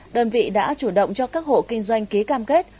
đơn vị đã chủ động cho các hộ kinh doanh ký cam kết